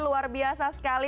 luar biasa sekali